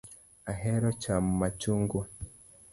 Ahero chamo machungwa.